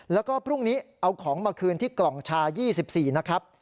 แล้วก็พรุ่งนี้เอาของมาคืนที่กล่องชา๒๔นะครับ